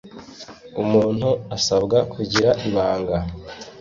umuntu asabwa kugira ibanga